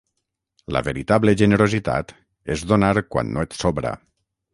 La veritable generositat és donar quan no et sobra.